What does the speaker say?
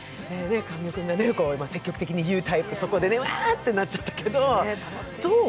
神尾君が積極的に言うタイプ、そこでね、ワーッてなっちゃったけど、どう？